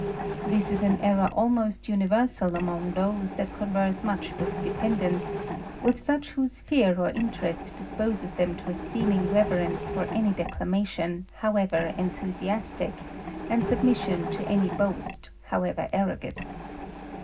This is an errour almost uni versal among those that converse much with dependents, with such whose fear or interest disposes them to a seeming reverence for any declamation, however enthusiastick, and submission to any boast, however arrogant.